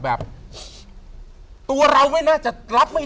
ไม่ค่อยหนูมีสติ